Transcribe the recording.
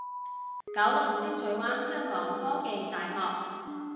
九龍清水灣香港科技大學